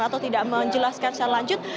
atau tidak menjelaskan secara lanjut